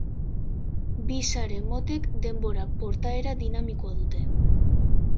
Bi sare motek denbora-portaera dinamikoa dute.